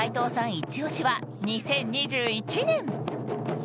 イチ押しは２０２１年。